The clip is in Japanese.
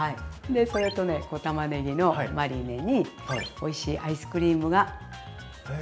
それとね小たまねぎのマリネにおいしいアイスクリームがつきます。